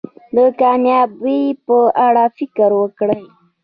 د کامیابی په اړه فکر وکړی.